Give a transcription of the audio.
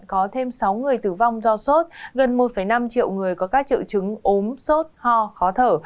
có thêm sáu người tử vong do sốt gần một năm triệu người có các triệu chứng ốm sốt ho khó thở